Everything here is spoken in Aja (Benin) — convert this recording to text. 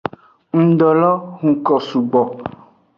Ngdo lo huko sugbo.